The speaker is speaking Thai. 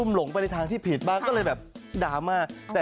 น้องกระดาษอีกท่านหนึ่งก็คือด้านนั้น